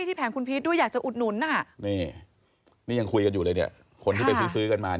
ยังคุยกันอยู่เลยคนที่ไปซื้อกันมา